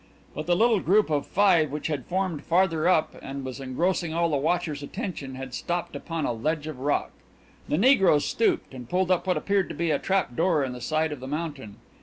But the little group of five which had formed farther up and was engrossing all the watchers' attention had stopped upon a ledge of rock. The negroes stooped and pulled up what appeared to be a trap door in the side of the mountain.